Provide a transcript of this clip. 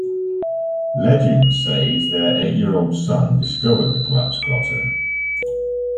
Legend says that their eight-year-old son discovered the collapsed grotto.